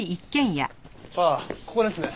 ああここですね。